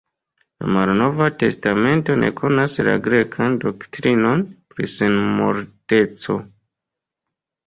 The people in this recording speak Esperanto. La Malnova Testamento ne konas la grekan doktrinon pri senmorteco.